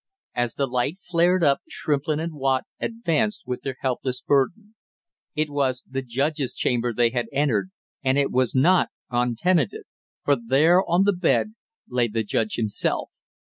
As the light flared up, Shrimplin and Watt advanced with their helpless burden. It was the judge's chamber they had entered and it was not untenanted, for there on the bed lay the judge himself.